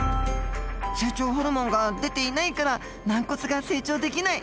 成長ホルモンが出ていないから軟骨が成長できない。